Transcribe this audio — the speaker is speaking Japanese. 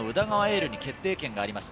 琉に決定権があります。